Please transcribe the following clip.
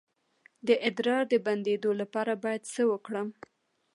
د ادرار د بندیدو لپاره باید څه وکړم؟